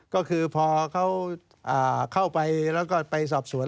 ก็คือพอเขาเข้าไปแล้วก็ไปสอบสวน